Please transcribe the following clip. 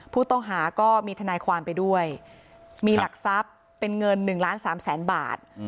ผู้ต้องหาก็มีทนายความไปด้วยมีหลักทรัพย์เป็นเงิน๑ล้าน๓แสนบาท